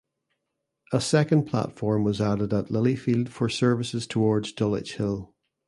A second platform was added at Lilyfield for services towards Dulwich Hill.